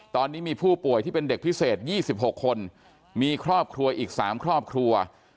ตอนนี้มีผู้ป่วยที่เป็นเด็กพิเศษ๒๖คนมีครอบครัวอีก๓ครอบครัว